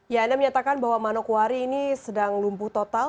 ya anda menyatakan bahwa manokwari ini sedang lumpuh total